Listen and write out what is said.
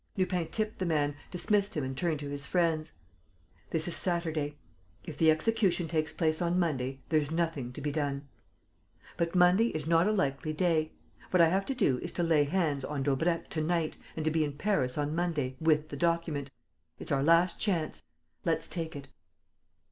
Lupin tipped the man, dismissed him and turned to his friends: "This is Saturday. If the execution takes place on Monday, there's nothing to be done. But Monday is not a likely day.... What I have to do is to lay hands on Daubrecq to night and to be in Paris on Monday, with the document. It's our last chance. Let's take it."